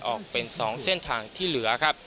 ออกเป็น๒เส้นทางที่เหลือครับ